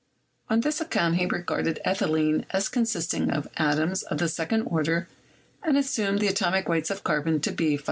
On this account he regarded ethylene as consisting of atoms of the second order, and assumed the atomic weight of carbon to be 5.4.